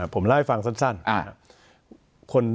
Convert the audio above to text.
ผมเล่าให้ฟังสั้น